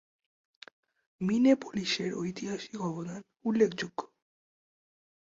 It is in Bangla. মিনেপোলিসের ঐতিহাসিক অবদান উল্লেখযোগ্য।